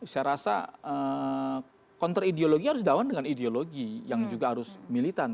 saya rasa counter ideologi harus didawan dengan ideologi yang juga harus militan